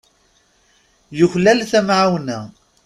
Yuklal tamɛawna.